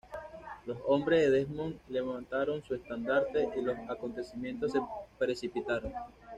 Los hombres de Desmond levantaron su estandarte, y los acontecimientos se precipitaron.